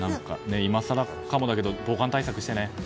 今更かもだけど防寒対策してね。